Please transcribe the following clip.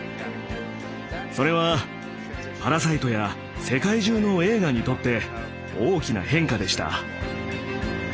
それは「パラサイト」や世界中の映画にとって大きな変化でした。